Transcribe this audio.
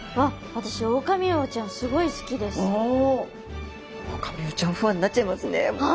私オオカミウオちゃんファンになっちゃいますねもう。